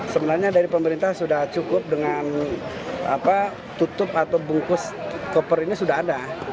sebenarnya dari pemerintah sudah cukup dengan tutup atau bungkus koper ini sudah ada